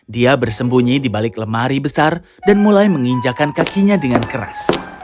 dia bersembunyi di balik lemari besar dan mulai menginjakan kakinya dengan keras